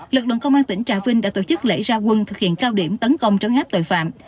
lực lượng công an tỉnh trà vinh đã tổ chức lễ ra quân thực hiện cao điểm tấn công trấn áp tội phạm